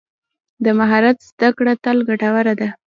د مهارت زده کړه تل ګټوره ده.